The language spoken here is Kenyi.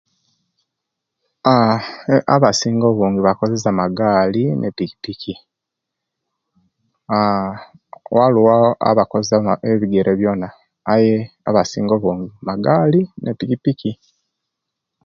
Aaa abasinga obungi bakozesiya Magali ne'pikipiki aa waliwo abakozesa ebigere byona aye abasinga obungi Magali ne'pikipiki